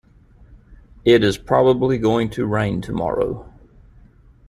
It is probably going to rain tomorrow.